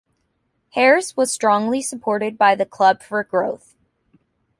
Harris was strongly supported by the Club for Growth.